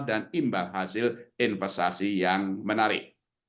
dan imbal hasil investasi yang menarik